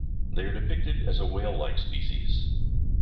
They are depicted as a whale-like species.